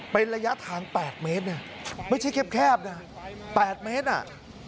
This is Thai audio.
เป็นระยะทางแปดเมตรไม่ใช่แคบแคบนะแปดเมตรเนี้ย